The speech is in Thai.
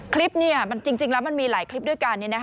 คลิปจริงแล้วมันมีหลายคลิปด้วยกัน